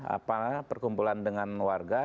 apa perkumpulan dengan warga